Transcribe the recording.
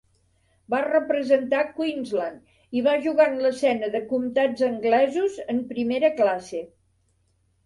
Va representar Queensland i va jugar en l'escena de comtats anglesos en primera classe.